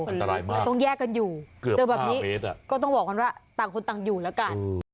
อันตรายมากต้องแยกกันอยู่เกือบ๕เมตรแต่แบบนี้ก็ต้องบอกกันว่าต่างคนต่างอยู่แล้วกัน